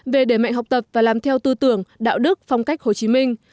về đề mạnh học tập và làm theo tư tưởng đạo đức phong cách hồ chí minh